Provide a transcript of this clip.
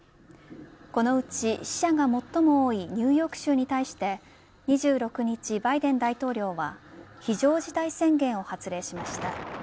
このうち死者が最も多いニューヨーク州に対して２６日バイデン大統領は非常事態宣言を発令しました。